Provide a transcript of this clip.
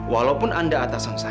walaupun anda atasan saya